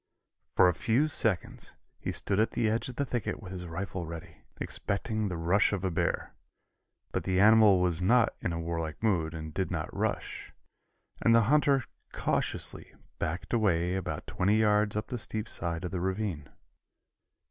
For a few seconds he stood at the edge of the thicket with his rifle ready, expecting the rush of the bear, but the animal was not in a warlike mood and did not rush, and the hunter cautiously backed away about twenty yards up the steep side of the ravine.